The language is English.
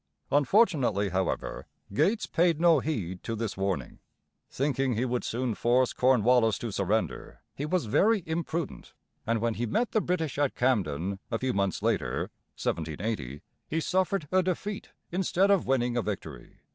Unfortunately, however, Gates paid no heed to this warning. Thinking he would soon force Cornwallis to surrender, he was very imprudent, and when he met the British at Cam´den, a few months later (1780), he suffered a defeat instead of winning a victory.